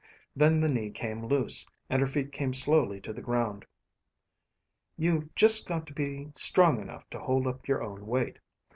Then the knee came loose, and her feet came slowly to the ground. "You've just got to be strong enough to hold up your own weight.